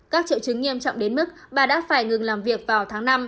các triệu chứng nghiêm trọng đến mức bà đã phải ngừng làm việc vào tháng năm